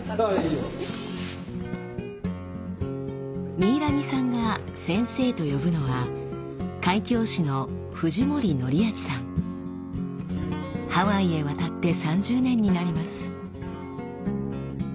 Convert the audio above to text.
ミイラニさんが「先生」と呼ぶのはハワイへ渡って３０年になります。